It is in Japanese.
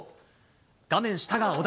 画面下が小田。